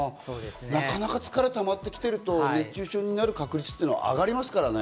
なかなか疲れが溜まってきてると熱中症になる確率って上がりますからね。